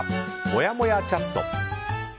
もやもやチャット。